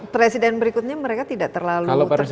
presiden berikutnya mereka tidak terlalu tertarik ya pada lukisan